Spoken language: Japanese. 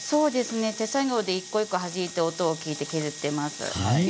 手作業で一個一個はじいて音を削っています。